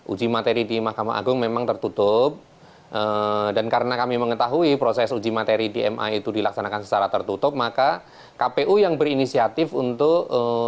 uji materi di mahkamah agung memang tertutup dan karena kami mengetahui proses uji materi di ma itu dilaksanakan secara tertutup maka kpu yang berinisiatif untuk